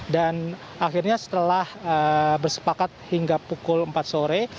dan akhirnya setelah bersepakat hingga pukul empat sore